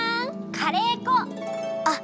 カレー粉！あっ！